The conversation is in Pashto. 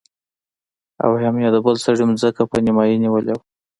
او هم يې د بل سړي ځمکه په نيمايي نيولې وه.